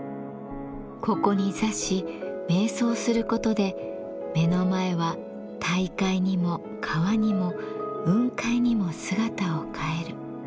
ここに座し瞑想することで目の前は大海にも川にも雲海にも姿を変える。